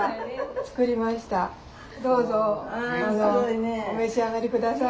どうぞお召し上がり下さい。